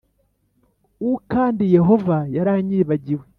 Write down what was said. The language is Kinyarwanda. u kandi Yehova yaranyibagiwe